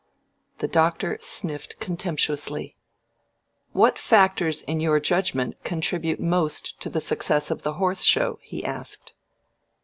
The Doctor sniffed contemptuously. "What factors in your judgment contribute most to the success of the Horse Show?" he asked.